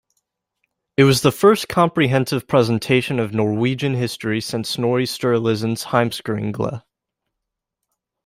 It was the first comprehensive presentation of Norwegian history since Snorri Sturluson's Heimskringla.